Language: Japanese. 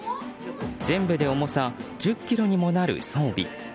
全部で重さ１０ｋｇにもなる装備。